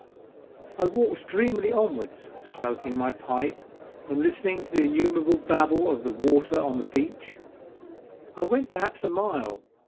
I walked dreamily onwards, smoking my pipe, and listening to the innumerable babble of the waters upon the beach. I went perhaps a mile.